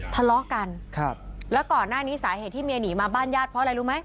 ทะเลาะกันครับแล้วก่อนหน้านี้สาเหตุที่เมียหนีมาบ้านญาติเพราะอะไรรู้ไหม